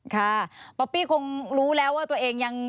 ป๊อปปี้คงรู้แล้วว่าตัวเองยัง